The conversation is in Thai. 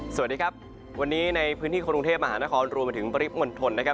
สวัสดีครับวันนี้ในพื้นที่กรุงเทพมหานครรวมไปถึงปริมณฑลนะครับ